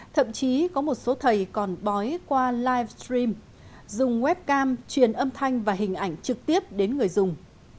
thậm chí có một số thầy còn bói qua live stream dùng web cam truyền âm thanh và hình ảnh trực tiếp đến người dùng